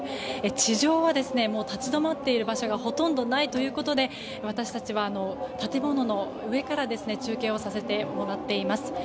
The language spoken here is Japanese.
地上はもう、立ち止まっている場所がほとんどないということで私たちは、建物の上から中継をさせてもらっています。